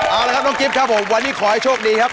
เอาละครับน้องกิฟต์ครับผมวันนี้ขอให้โชคดีครับ